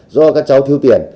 do các cháu thiếu tiền